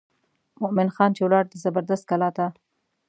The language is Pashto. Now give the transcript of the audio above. مومن خان چې ولاړ د زبردست کلا ته.